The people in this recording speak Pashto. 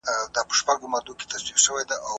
په پیل کې ګټه کمه لیدل کېده.